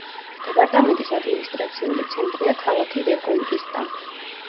დეპარტამენტის ადმინისტრაციული ცენტრია ქალაქი რეკონკისტა.